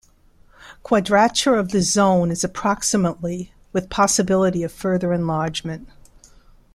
Quadrature of the zone is approximately with possibility of further enlargement.